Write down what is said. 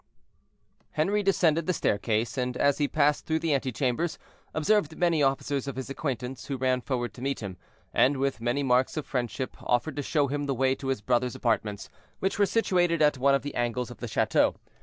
Henri descended the staircase, and as he passed through the antechambers, observed many officers of his acquaintance, who ran forward to meet him, and, with many marks of friendship, offered to show him the way to his brother's apartments, which were situated at one of the angles of the chateau.